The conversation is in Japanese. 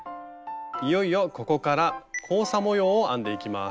いよいよここから交差模様を編んでいきます。